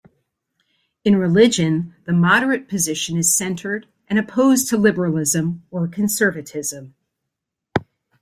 In religion, the moderate position is centered and opposed to liberalism or conservatism.